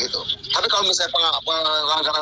tapi kalau misalnya